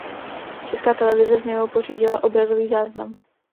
Česká televize z něho pořídila obrazový záznam.